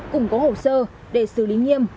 cũng có hồ sơ để xử lý nghiêm